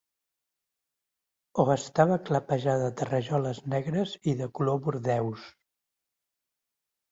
O estava clapejada de rajoles negres i de color bordeus.